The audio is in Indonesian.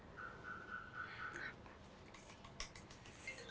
kangen juga gak sih